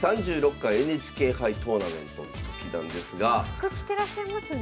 こちら和服着てらっしゃいますね。